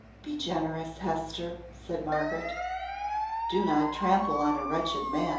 "Be generous, Hester!" said Margaret. "Do not trample on a wretched man!"